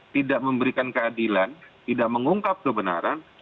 tidak memberikan keadilan tidak mengungkap kebenaran